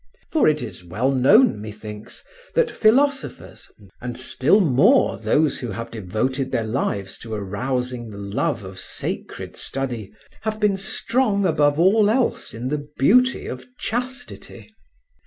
For it is well known, methinks, that philosophers, and still more those who have devoted their lives to arousing the love of sacred study, have been strong above all else in the beauty of chastity.